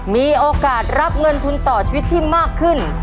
มีโอกาสรับเงินทุนต่อชีวิตที่มากขึ้น